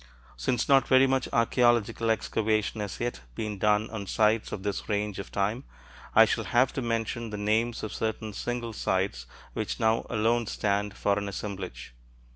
Since not very much archeological excavation has yet been done on sites of this range of time, I shall have to mention the names of certain single sites which now alone stand for an assemblage.